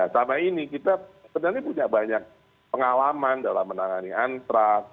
sama ini kita sebenarnya punya banyak pengalaman dalam menangani antraks